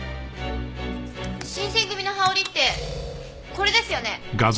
新選組の羽織ってこれですよね？